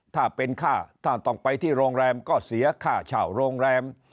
ถ้าเป็นค่าถ้าต้องไปที่โรงแรมก็เสียค่าเช่าโรงแรม